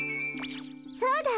そうだ！